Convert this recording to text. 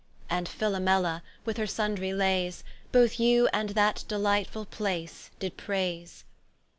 And Philomela with her sundry layes, Both You and that delightfull Place did praise.